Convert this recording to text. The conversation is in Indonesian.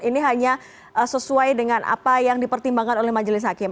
ini hanya sesuai dengan apa yang dipertimbangkan oleh majelis hakim